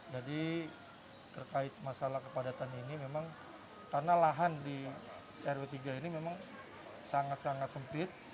terkait masalah kepadatan ini memang karena lahan di rw tiga ini memang sangat sangat sempit